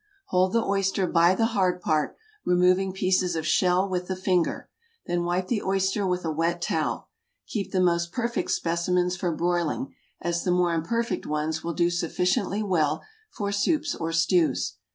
Hold the oyster by the hard part, removing pieces of shell with the finger. Then wipe the oyster with a wet towel. Keep the most perfect specimens for broiling, as the more imperfect ones will do sufficiently well for soups or stews.